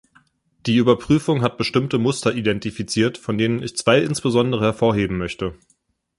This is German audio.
Die Überprüfung hat bestimmte Muster identifiziert, von denen ich zwei insbesondere hervorheben möchte.